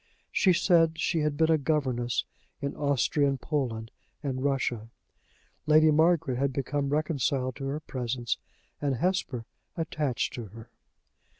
She said she had been a governess in Austrian Poland and Russia. Lady Margaret had become reconciled to her presence, and Hesper attached to her.